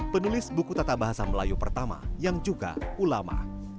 penulis buku tata bahasa melayu pertama yang juga ulama